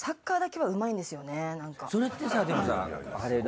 はい。